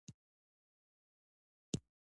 عملي احکام هغه دي چي د عملونو په کيفيت پوري اړه لري.